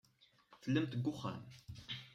Tellamt deg uxxam.